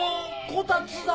こたつだ！